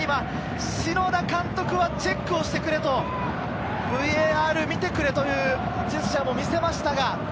篠田監督はチェックをしてくれと、ＶＡＲを見てくれというジェスチャーを見せました。